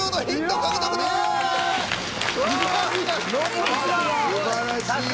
すばらしい。